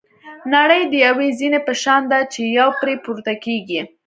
نړۍ د یوې زینې په شان ده چې یو پرې پورته کېږي.